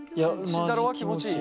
慎太郎は気持ちいい？